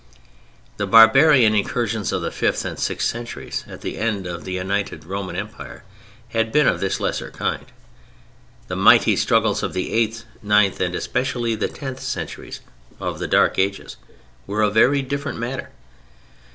The barbarian incursions of the fifth and sixth centuries—at the end of the United Roman Empire—had been of this lesser kind. The mighty struggles of the eighth, ninth and especially the tenth centuries—of the Dark Ages—were a very different matter.